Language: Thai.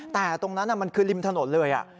แต่ตรงนั้นมันคือริมถนนเลย